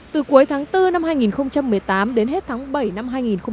từ cuối tháng bốn năm hai nghìn một mươi tám đến hết tháng bảy năm hai nghìn một mươi chín